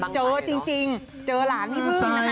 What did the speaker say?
เจอจริงเจอหลานพี่พึ่งนะฮะ